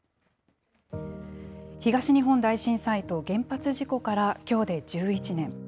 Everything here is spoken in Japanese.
東日本大震災と原発事故からきょうで１１年。